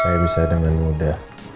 saya bisa dengan mudah